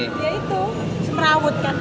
ya itu semerawut kan